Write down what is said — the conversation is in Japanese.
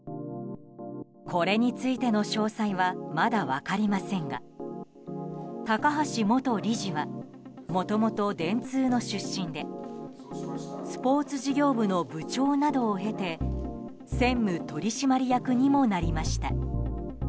これについての詳細はまだ分かりませんが高橋元理事はもともと電通の出身でスポーツ事業部の部長などを経て専務取締役にもなりました。